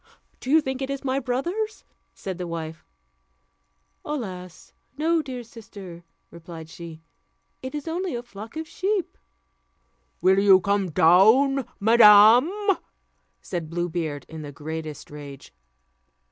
"Do you think it is my brothers?" said the wife. "Alas! no, dear sister," replied she, "it is only a flock of sheep." "Will you come down, madam?" said Blue Beard, in the greatest rage.